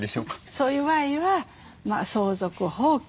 そういう場合は相続放棄。